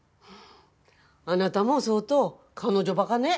あなたも相当彼女バカね。